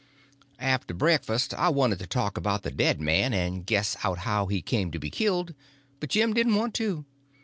After breakfast I wanted to talk about the dead man and guess out how he come to be killed, but Jim didn't want to.